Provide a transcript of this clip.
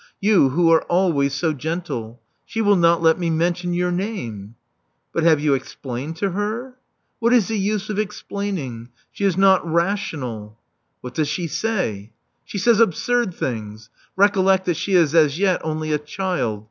You, who are always so gentle! — she will not let me mention your name.'* "U\\{ have you explained to her ?*' "What is the use of explaining? She is not r.itivM\.\l." "What does she say? "She says absurd things. Recollect that she is as yet only a child.